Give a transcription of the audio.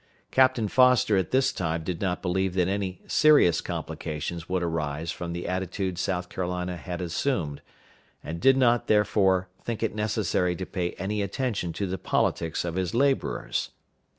Captain Foster at this time did not believe that any serious complications would arise from the attitude South Carolina had assumed, and did not, therefore, think it necessary to pay any attention to the politics of his laborers.